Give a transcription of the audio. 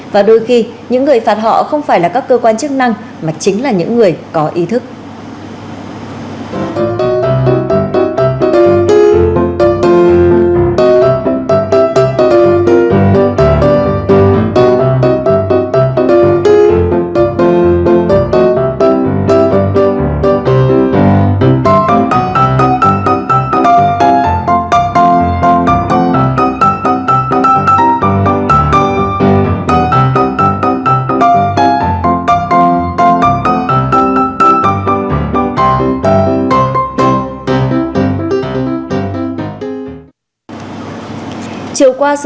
và đôi khi những người phạt họ không phải là các cơ quan chức năng mà chính là những người có ý thức